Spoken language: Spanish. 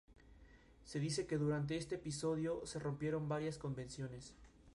Se dice que durante este episodio se rompieron varias convenciones.